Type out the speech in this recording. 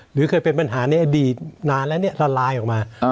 หรือเคยเป็นปัญหาในอดีตนานแล้วเนี่ยละลายออกมา